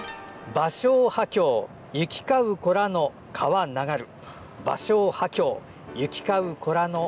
「芭蕉波郷行き交う子らの川流る」。